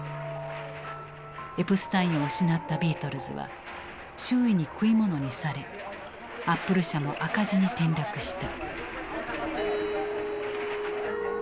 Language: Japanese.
エプスタインを失ったビートルズは周囲に食い物にされアップル社も赤字に転落した。